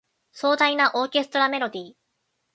壮大なオーケストラメロディ